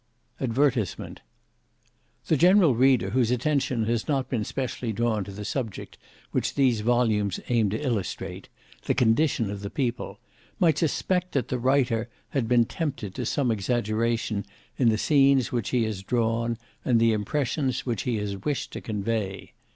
Advertisement The general reader whose attention has not been specially drawn to the subject which these volumes aim to illustrate, the Condition of the People, might suspect that the Writer had been tempted to some exaggeration in the scenes which he has drawn and the impressions which he has wished to convey.